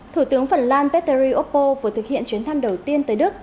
thủ tướng phần lan petery oppo vừa thực hiện chuyến thăm đầu tiên tới đức